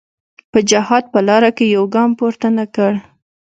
په جهاد په لاره کې یو ګام پورته نه کړ.